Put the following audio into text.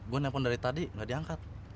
gue nelpon dari tadi nggak diangkat